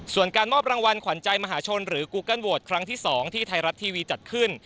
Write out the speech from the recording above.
ส่วนการมอบรางวัลขวัญใจมหาชนหรือกูเกิ้ลโหวตครั้งที่๒ที่ไทยรัฐทีวีจัดขึ้น